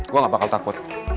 gue gak bakal takut